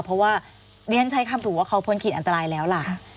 เพราะว่าเรียนใช้คำถูกว่าเขาพ้นขีดอันตรายแล้วล่ะ